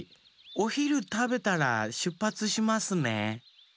おひるたべたらしゅっぱつしますね。